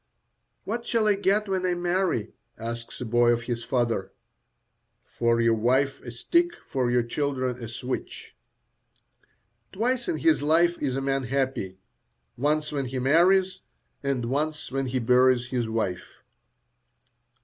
"What shall I get when I marry?" asks a boy of his father. "For your wife a stick, for your children a switch." Twice in his life is a man happy: once when he marries, and once when he buries his wife.